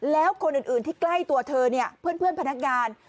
แล้วคนอื่นที่ใกล้ตัวเธอเนี่ยเพื่อนพนักงาน